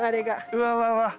うわうわうわ。